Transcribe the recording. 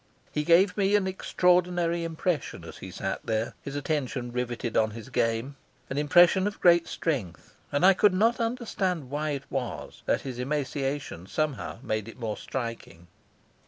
He gave me an extraordinary impression as he sat there, his attention riveted on his game an impression of great strength; and I could not understand why it was that his emaciation somehow made it more striking.